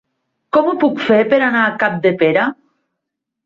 Com ho puc fer per anar a Capdepera?